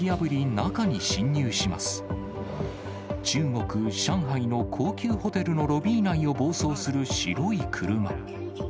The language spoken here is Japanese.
中国・上海の高級ホテルのロビー内を暴走する白い車。